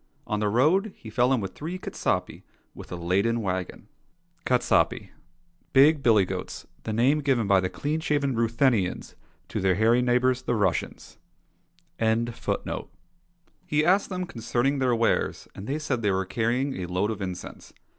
On the road he fell in with three katsapi^ with a laden wagon. ^ Lit. Big billy goats, the name given by the clean shaved Ruthenians to their hairy neighbours the Russians. 183 COSSACK FAIRY TALES He asked them concerning their wares, and they said they were carrying a load of incense.